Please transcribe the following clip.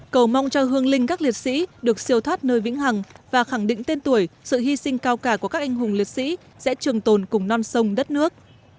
cầu mong cho hương linh các liệt sĩ được siêu thoát nơi vĩnh hằng và khẳng định tên tuổi sự hy sinh cao cả của các anh hùng liệt sĩ sẽ trường tồn cùng non sông đất nước